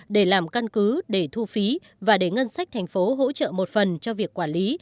để làm căn cứ để thu phí và để ngân sách thành phố hỗ trợ một phần cho việc quản lý